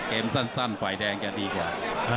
เกมสั้นไฟแดงก็ดีกว่า